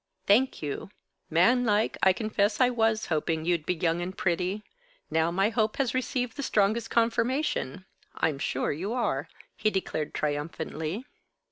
"Thank you. Manlike, I confess I was hoping you'd be young and pretty. Now my hope has received the strongest confirmation. I'm sure you are," he declared triumphantly.